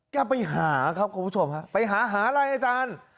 ไปหาครับคุณผู้ชมฮะไปหาหาอะไรอาจารย์